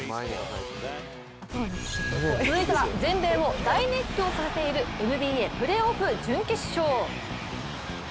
続いては、全米を大熱狂させているＮＢＡプレーオフ準決勝。